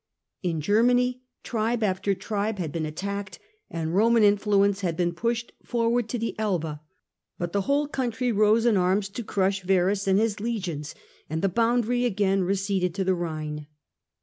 In Germany tribe after tribe had been attacked, and Roman influence had been pushed forward to the Elbe ; but the whole country rose in arms to crush Varus and his legions, and the boundary again receded to the Rhine.